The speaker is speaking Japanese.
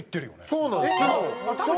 そうなんです昨日。